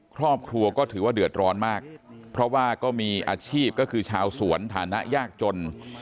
ครอบครัวก็ถือว่าเดือดร้อนมากเพราะว่าก็มีอาชีพก็คือชาวสวนฐานะยากจน